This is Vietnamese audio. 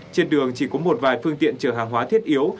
trên đường chỉ có một vài phương tiện chở hàng hóa thiết yếu